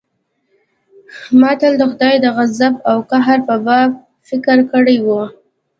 ما تل د خداى د غضب او قهر په باب فکر کړى و.